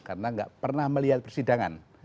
karena gak pernah melihat persidangan